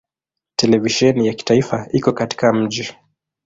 Televisheni ya kitaifa iko katika mji.